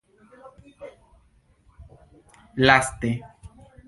laste